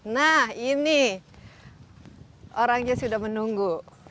nah ini orangnya sudah menunggu